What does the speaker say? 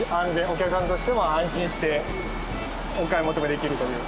お客さんとしても安心してお買い求めできるという。